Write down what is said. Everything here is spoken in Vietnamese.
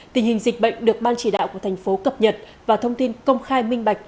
tình hình dịch bệnh được ban chỉ đạo của thành phố cập nhật và thông tin công khai minh bạch